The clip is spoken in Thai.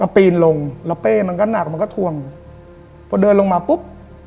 ปีนลงแล้วเป้มันก็หนักมันก็ทวงพอเดินลงมาปุ๊บ